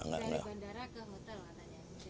dari bandara ke hotel katanya